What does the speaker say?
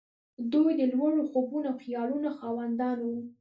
دوی د لوړو خوبونو او خيالونو خاوندان وو.